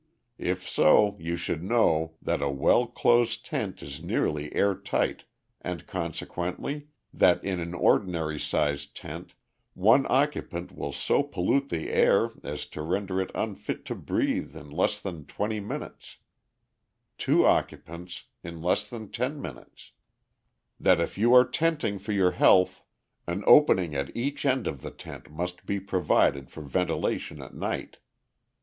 If so, you should know: "That a well closed tent is nearly air tight, and consequently, "That in an ordinary sized tent, one occupant will so pollute the air as to render it unfit to breathe in less than twenty minutes; two occupants, in less than ten minutes. [Illustration: A CHEMEHUEVI INDIAN AND HIS OUT OF DOOR SHELTER FROM THE SUN.] "That if you are tenting for your health, an opening at each end of the tent must be provided for ventilation at night.